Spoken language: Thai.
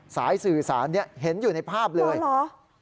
สายสื่อสันเห็นอยู่ในภาพเลยนี่มันทำอะไร